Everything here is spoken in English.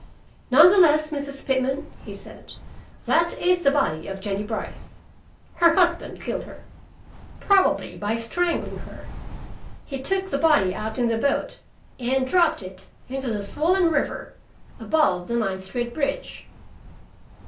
"None the less, Mrs. Pitman," he said, "that is the body of Jennie Brice; her husband killed her, probably by strangling her; he took the body out in the boat and dropped it into the swollen river above the Ninth Street bridge."